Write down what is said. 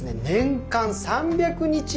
年間３００日